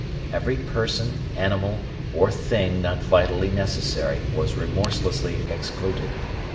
Every person, animal, or thing not vitally necessary was remorselessly excluded.